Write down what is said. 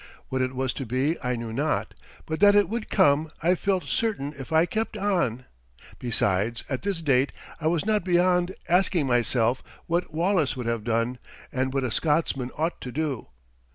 What it was to be I knew not, but that it would come I felt certain if I kept on. Besides, at this date I was not beyond asking myself what Wallace would have done and what a Scotsman ought to do.